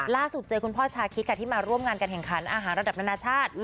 เจอคุณพ่อชาคิดค่ะที่มาร่วมงานการแข่งขันอาหารระดับนานาชาติ